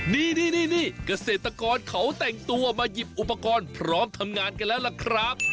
นี่เกษตรกรเขาแต่งตัวมาหยิบอุปกรณ์พร้อมทำงานกันแล้วล่ะครับ